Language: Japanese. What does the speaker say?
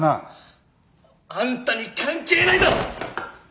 あんたに関係ないだろ！